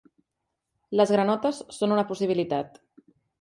Les granotes són una possibilitat.